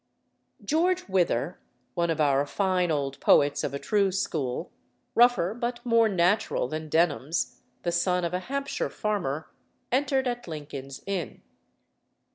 George Wither, one of our fine old poets of a true school, rougher but more natural than Denham's, the son of a Hampshire farmer, entered at Lincoln's Inn.